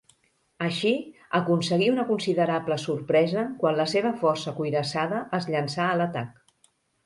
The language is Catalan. Així, aconseguí una considerable sorpresa quan la seva força cuirassada es llançà a l'atac.